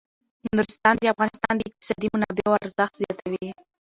نورستان د افغانستان د اقتصادي منابعو ارزښت زیاتوي.